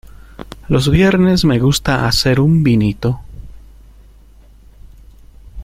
Los viernes me gusta hacer un vinito.